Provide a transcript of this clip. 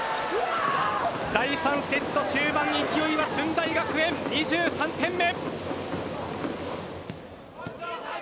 第３セット終盤に勢いは駿台学園２３点目。